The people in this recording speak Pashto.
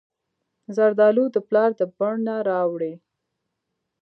زردالو د پلار د بڼ نه راوړي.